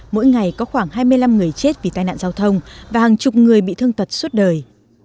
mỗi ngày có khoảng hai mươi năm người chết vì tai nạn giao thông và hàng chục người bị thương tật suốt đời